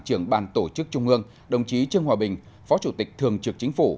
trưởng ban tổ chức trung ương đồng chí trương hòa bình phó chủ tịch thường trực chính phủ